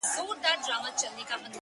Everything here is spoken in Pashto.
يو يمه خو’